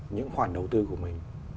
những khoản đầu tư của mình